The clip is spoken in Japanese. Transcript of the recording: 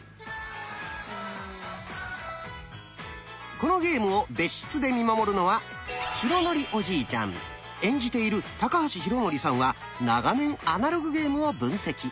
このゲームを別室で見守るのは演じている高橋浩徳さんは長年アナログゲームを分析。